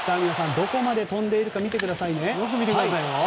どこまで飛んでいるか見てください。